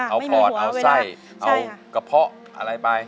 เอาปอดเอาไส้เอากระเพาะอะไรไป